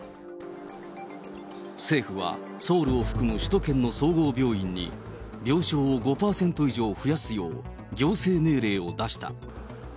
政府はソウルを含む、首都圏の総合病院に病床を５％以上増やすよう行政命令を出した。